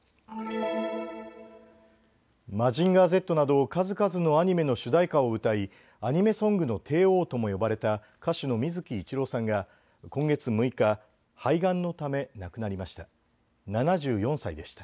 マジンガーＺなど数々のアニメの主題歌を歌いアニメソングの帝王とも呼ばれた歌手の水木一郎さんが今月６日、肺がんのため亡くなりました。